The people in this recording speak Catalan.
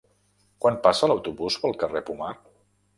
Quan passa l'autobús pel carrer Pomar?